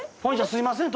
すいません。